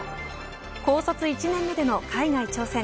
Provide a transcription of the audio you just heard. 高卒１年目での海外挑戦。